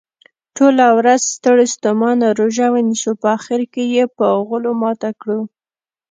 ټوله ورځ ستړي ستوماته روژه ونیسو په اخرکې یې په غولو ماته کړو.